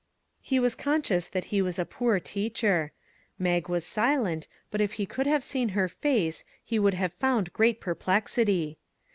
He was conscious that he was a poor teacher. Mag was silent, but if he could have seen her face he would have found great perplexity.